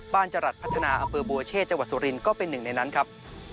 มจรัสพัฒนาอำเภอปววเชษกศริรินก็เป็นหนึ่งในนั้นครับ